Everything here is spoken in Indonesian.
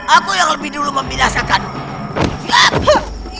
aku yang lebih dulu memilasakanmu